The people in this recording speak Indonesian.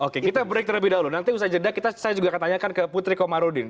oke kita break terlebih dahulu nanti usai jeda kita juga akan tanyakan ke putri komarudin